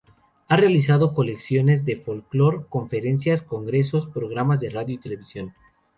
Ha realizado colecciones de folclore, conferencias, congresos, programas de radio y televisión.